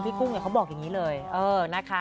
กุ้งเขาบอกอย่างนี้เลยนะคะ